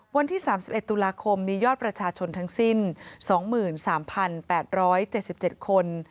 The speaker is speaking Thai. วันที่๓๑ตุลาคมมียอดประชาชนทั้งสิ้น๒๓๘๗๗คน